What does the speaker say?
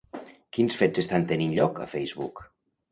Quins fets estan tenint lloc a Facebook?